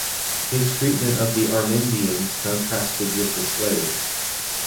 His treatment of the Amerindians contrasted with the slaves.